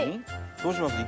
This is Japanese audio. どうします？